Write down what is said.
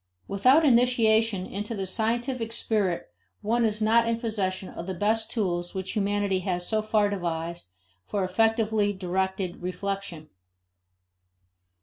Without initiation into the scientific spirit one is not in possession of the best tools which humanity has so far devised for effectively directed reflection.